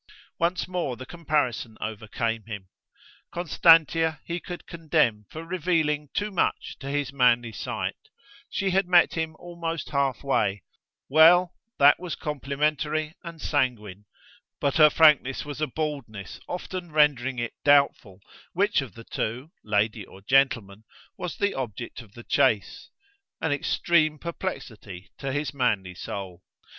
Once more the comparison overcame him. Constantia he could condemn for revealing too much to his manly sight: she had met him almost half way: well, that was complimentary and sanguine: but her frankness was a baldness often rendering it doubtful which of the two, lady or gentleman, was the object of the chase an extreme perplexity to his manly soul.